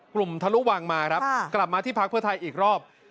ทะลุวังมาครับกลับมาที่พักเพื่อไทยอีกรอบ